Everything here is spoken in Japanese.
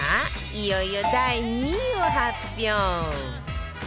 いよいよ第２位を発表